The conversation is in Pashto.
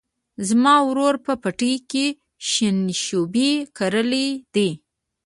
زما ورور په پټي کې شینشوبي کرلي دي.